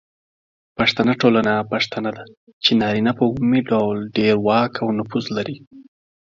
پښتنه ټولنه پښتنه ده، چې نارینه په عمومي ډول ډیر واک او نفوذ لري.